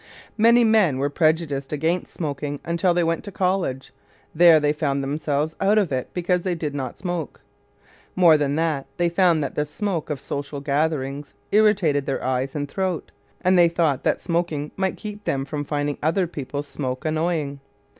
Many men were prejudiced against smoking until they went to college. There they found themselves "out of it" because they did not smoke. More than that, they found that the smoke of social gatherings irritated their eyes and throat, and they thought that smoking might keep them from finding other people's smoke annoying.